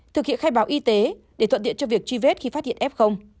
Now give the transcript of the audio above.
thực hiện khai báo y tế để thuận tiện cho việc truy vết khi phát hiện f